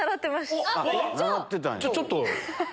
じゃあ！じゃちょっと。